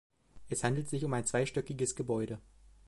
Es handelt sich um ein zweistöckiges Gebäude.